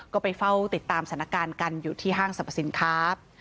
ก็ไปเฝ้าติดตามสถานการณ์กันอยู่ที่ห้างสรรพสินค้า